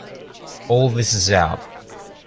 All this is out.